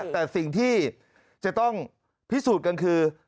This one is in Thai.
แต่สิ่งที่จะต้องพิสูจน์กันคือ